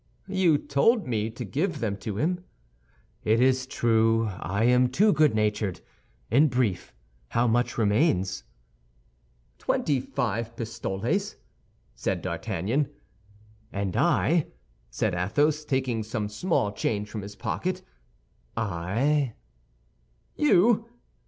"You told me to give them to him." "It is true; I am too good natured. In brief, how much remains?" "Twenty five pistoles," said D'Artagnan. "And I," said Athos, taking some small change from his pocket, "I—" "You?